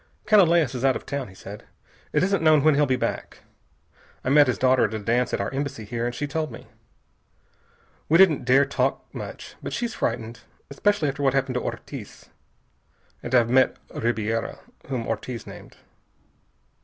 "Canalejas is out of town," he said. "It isn't known when he'll be back. I met his daughter at a dance at our Embassy here, and she told me. We didn't dare to talk much, but she's frightened. Especially after what happened to Ortiz. And I've met Ribiera, whom Ortiz named."